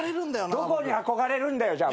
どこに憧れるんだよ。